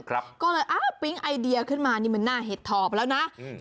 ก็เลยอ่าปิ๊งไอเดียขึ้นมานี่มันหน้าเห็ดถอบแล้วนะอืม